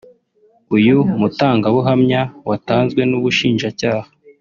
uyu mutangabuhamya watanzwe n’Ubushinjacyaha